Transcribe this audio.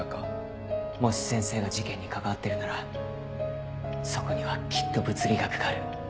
もし先生が事件に関わってるならそこにはきっと物理学がある。